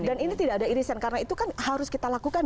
dan ini tidak ada irisan karena itu kan harus kita lakukan